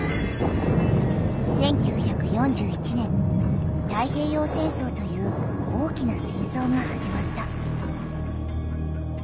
１９４１年太平洋戦争という大きな戦争がはじまった。